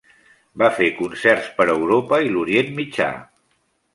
Va fer concerts per Europa i l'Orient Mitjà.